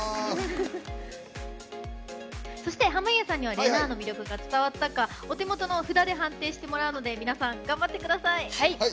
そして濱家さんにはれなぁの魅力が伝わったかお手元の札で判定してもらうので皆さん、頑張ってください。